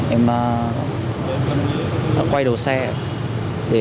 em đã quay đầu xe để tránh gấp chốt